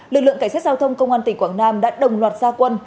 lực lượng cảnh sát giao thông công an tỉnh quảng nam đã đồng loạt gia quân